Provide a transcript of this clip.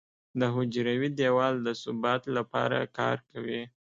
د حجروي دیوال د ثبات لپاره کار کوي.